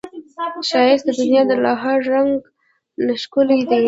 ښایست د دنیا له هر رنګ نه ښکلی دی